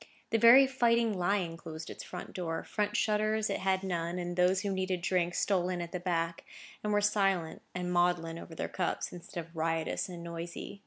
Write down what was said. The very Fighting Lion closed its front door, front shutters it had none, and those who needed drink stole in at the back, and were silent and maudlin over their cups, instead of riotous and noisy.